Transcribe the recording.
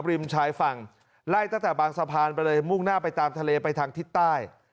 ริมชายฝั่งไล่ตั้งแต่บางสะพานไปเลยมุ่งหน้าไปตามทะเลไปทางทิศใต้